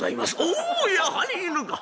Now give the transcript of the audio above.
「おおやはり犬か。